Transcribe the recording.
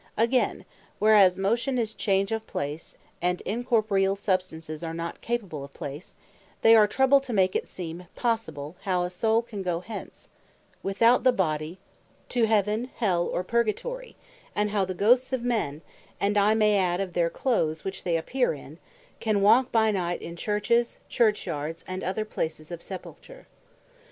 Again, whereas Motion is change of Place, and Incorporeall Substances are not capable of Place, they are troubled to make it seem possible, how a Soule can goe hence, without the Body to Heaven, Hell, or Purgatory; and how the Ghosts of men (and I may adde of their clothes which they appear in) can walk by night in Churches, Church yards, and other places of Sepulture.